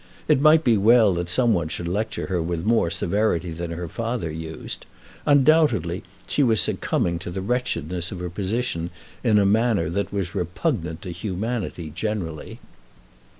It might be well that some one should lecture her with more severity than her father used. Undoubtedly she was succumbing to the wretchedness of her position in a manner that was repugnant to humanity generally.